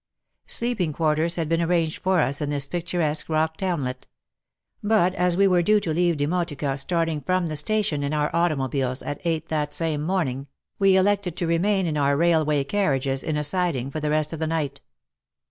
Sleeping quarters had been arranged for us in this picturesque rock townlet. But as we were due to leave Demotika, starting from the station in our automobiles, at eight that same morning, we elected to remain in our railway carriages in a siding for the rest of the night.